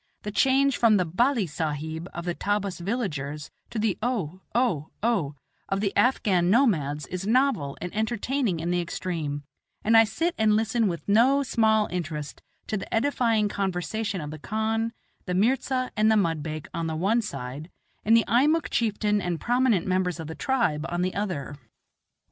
The change from the "balli sahib" of the Tabbas villagers to the "O, O, O" of the Afghan nomads is novel and entertaining in the extreme, and I sit and listen with no small interest to the edifying conversation of the khan, the mirza, and the mudbake on the one side, and the Eimuck chieftain and prominent members of the tribe on the other.